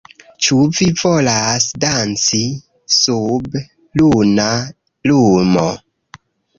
Ĉu vi volas danci sub luna lumo